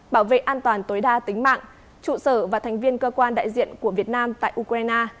bảo vệ an toàn tối đa tính mạng trụ sở và thành viên cơ quan đại diện của việt nam tại ukraine